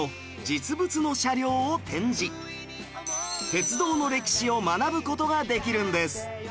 鉄道の歴史を学ぶ事ができるんです